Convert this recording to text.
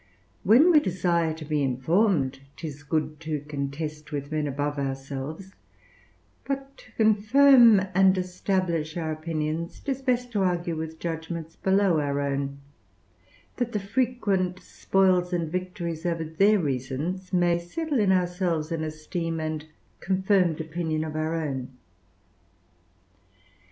Where we desire to be informed, 'tis good to contest with men above ourselves; but to confirm and establish our opinions, 'tis best to argue with judgments below our own, that the frequent spoils and victories over their reasons may settle in ourselves an esteem and confirmed opinion of our own.